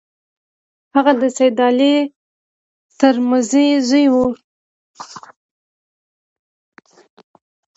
هغه د سید علي ترمذي زوی وو.